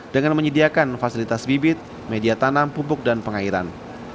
dengan menyediakan fasilitas bibit media tanam pupuk dan pengairan